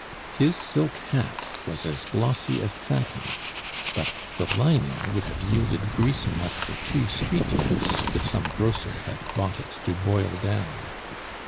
His silk hat was as glossy as satin, but the lining would have yielded grease enough for two street lamps if some grocer had bought it to boil down.